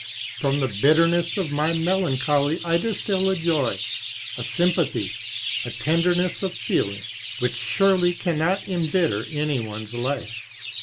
From the bitterness of my melancholy I distil a joy, a sympathy, a tenderness of feeling, which surely cannot embitter anyone's life.